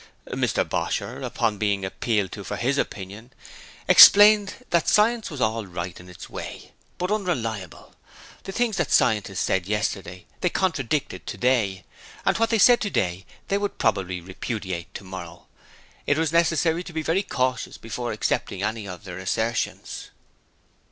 Mr Bosher upon being appealed to for his opinion, explained that science was alright in its way, but unreliable: the things scientists said yesterday they contradicted today, and what they said today they would probably repudiate tomorrow. It was necessary to be very cautious before accepting any of their assertions.